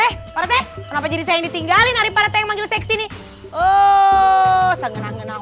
eh eh paret kenapa jadi saya yang ditinggalin ari paret yang manggil saya ke sini oh sengenang ngenang